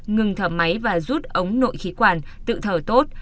ngừng thở máy và rút ống nội khí quản tự thở tốt